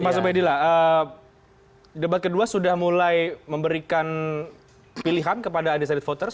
mas ubedillah debat kedua sudah mulai memberikan pilihan kepada undecided voters